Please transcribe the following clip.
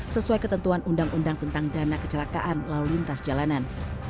sesuai ketentuan undang undang tentang dana kecelakaan lalu lintas jalanan